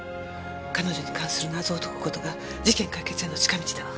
彼女に関する謎を解く事が事件解決への近道だわ。